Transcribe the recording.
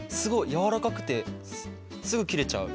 やわらかくてすぐ切れちゃう。